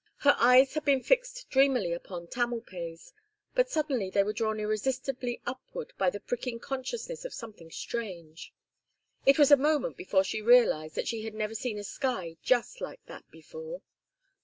Her eyes had been fixed dreamily upon Tamalpais, but suddenly they were drawn irresistibly upward by the pricking consciousness of something strange. It was a moment before she realized that she had never seen a sky just like that before.